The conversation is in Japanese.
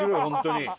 本当に。